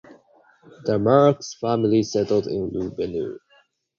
The Marx family settled in Rue Vaneau.